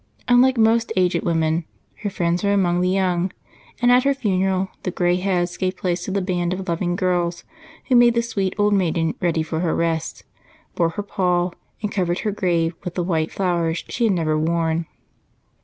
Unlike most aged women, her friends were among the young, and at her funeral the grayheads gave place to the band of loving girls who made the sweet old maiden ready for her rest, bore her pall, and covered her grave with the white flowers she had never worn.